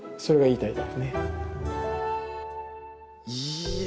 いや。